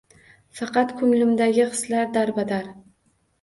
Faqat ko‘nglimdagi hislar — darbadar.